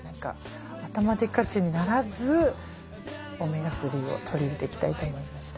頭でっかちにならずオメガ３を取り入れていきたいと思いました。